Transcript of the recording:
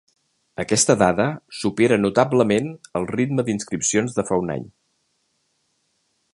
Aquesta dada supera notablement el ritme d’inscripcions de fa un any.